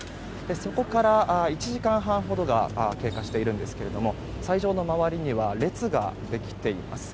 そこから１時間半ほどが経過しているんですが斎場の周りには列ができています。